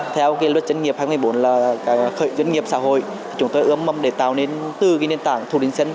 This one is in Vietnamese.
theo luật dân nghiệp hai nghìn một mươi bốn là khởi dân nghiệp xã hội chúng tôi ước mong để tạo nên tư ghi nền tảng thủ đình sân